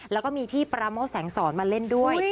แล้วก็มีพี่ปราโมทแสงสอนมาเล่นด้วย